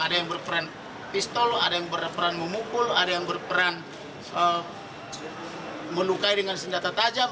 ada yang berperan pistol ada yang berperan memukul ada yang berperan melukai dengan senjata tajam